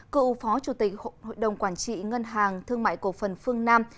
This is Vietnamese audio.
cựu phó chủ tịch hội đồng quản trị ngân hàng thương mại cổ phần phương nam